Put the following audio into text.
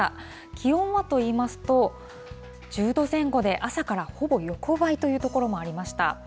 気温はといいますと、１０度前後で、朝からほぼ横ばいという所もありました。